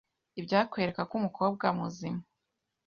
ibyakwereka ko umukobwa muzima